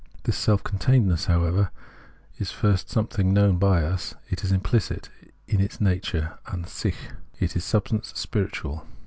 This self containedness, however, is first something known by us, it is imphcit in its nature {an sicli) ; it is Substance spiritual.